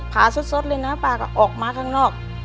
าสดเลยนะป้าก็ออกมาข้างนอก